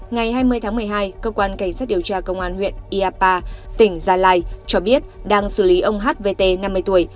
ngày hai mươi tháng một mươi hai cơ quan cảnh sát điều tra công an huyện iapa tỉnh gia lai cho biết đang xử lý ông hvt năm mươi tuổi